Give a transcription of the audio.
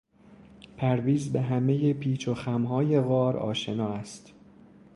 پرویز به همهی پیچ و خمهای غار آشنا است.